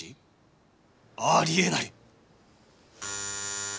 ありえない！